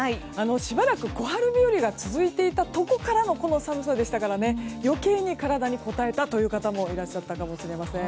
しばらく小春日和が続いていたところからのこの寒さでしたから余計に体にこたえた方もいらっしゃったかもしれません。